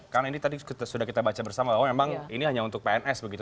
karena ini tadi sudah kita baca bersama bahwa memang ini hanya untuk pns begitu